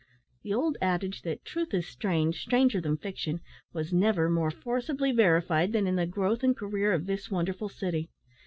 The old adage that, "truth is strange, stranger than fiction," was never more forcibly verified than in the growth and career of this wonderful city.